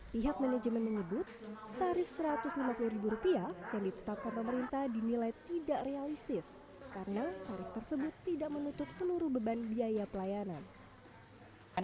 pihak manajemen menyebut tarif rp satu ratus lima puluh yang ditetapkan pemerintah dinilai tidak realistis karena tarif tersebut tidak menutup seluruh beban biaya pelayanan